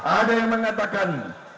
ada yang mengatakan